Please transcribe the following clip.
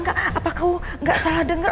apa kamu gak salah denger